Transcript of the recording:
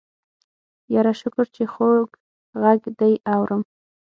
يره شکر چې خوږ غږ دې اورم.